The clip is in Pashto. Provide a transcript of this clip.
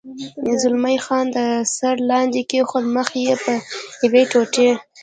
زلمی خان د ده سر لاندې کېښود، مخ یې په یوې ټوټې.